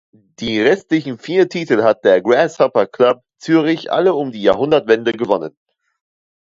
Die restlichen vier Titel hat der Grasshopper Club Zürich alle um die Jahrhundertwende gewonnen.